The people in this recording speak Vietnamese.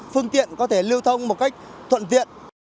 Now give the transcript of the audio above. phương tiện có thể lưu thông một cách thuận tiện